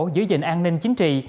giữ gìn an ninh chính trị